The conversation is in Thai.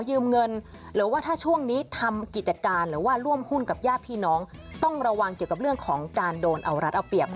ยืมเงินหรือว่าถ้าช่วงนี้ทำกิจการหรือว่าร่วมหุ้นกับญาติพี่น้องต้องระวังเกี่ยวกับเรื่องของการโดนเอารัดเอาเปรียบ